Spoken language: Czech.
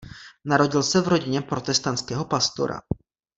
Narodil se v rodině protestantského pastora.